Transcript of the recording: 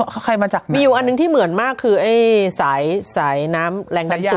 เขาใครมาจากมีอยู่อันหนึ่งที่เหมือนมากคือไอ้สายสายน้ำแหล่งดันสูงอ่ะนะ